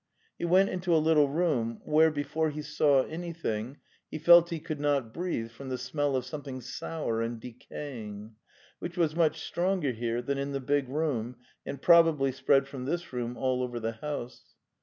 He went into a little room, where, before he saw any thing, he felt he could not breathe from the smell of something sour and decaying, which was much stronger here than in the big room and probably spread from this room all over the house.